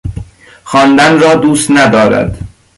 خواندن را دوست ندارد.